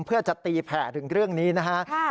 เพื่อจะตีแผ่ถึงเรื่องนี้นะฮะ